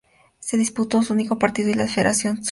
Se disputó un único partido y la federación Sur donó un trofeo.